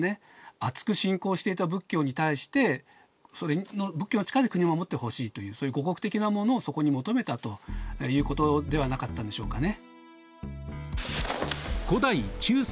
あつく信仰していた仏教に対して仏教の力で国を護ってほしいというそういう護国的なものをそこに求めたということではなかったんでしょうかね。